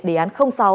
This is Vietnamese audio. đề án sáu